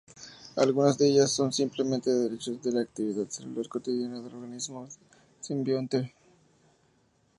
Algunas de ellas son simplemente desechos de la actividad celular cotidiana del organismo simbionte.